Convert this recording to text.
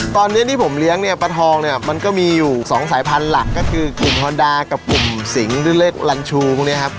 ตอนนี้ที่ผมเลี้ยงเนี่ยปลาทองเนี่ยมันก็มีอยู่๒สายพันธุ์หลักก็คือกลุ่มฮอนดากับกลุ่มสิงหรือเลขลันชูพวกนี้ครับ